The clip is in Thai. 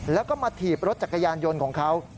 แล้วก็มาถีบรถจักรยานยนต์ของเขา